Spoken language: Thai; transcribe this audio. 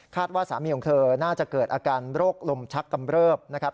ว่าสามีของเธอน่าจะเกิดอาการโรคลมชักกำเริบนะครับ